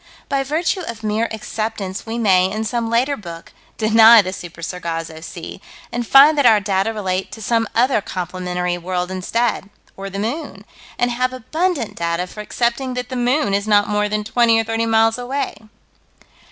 By virtue of mere acceptance, we may, in some later book, deny the Super Sargasso Sea, and find that our data relate to some other complementary world instead or the moon and have abundant data for accepting that the moon is not more than twenty or thirty miles away.